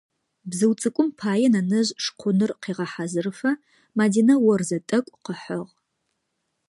Бзыу цӏыкӏум пае нэнэжъ шкъуныр къегъэхьазырыфэ Мадинэ орзэ тӏэкӏу къыхьыгъ.